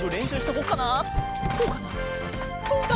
こうかな？